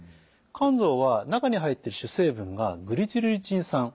甘草は中に入っている主成分がグリチルリチン酸。